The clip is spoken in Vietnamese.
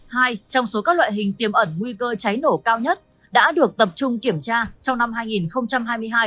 hai trong số các loại hình tiềm ẩn nguy cơ cháy nổ cao nhất đã được tập trung kiểm tra trong năm hai nghìn hai mươi hai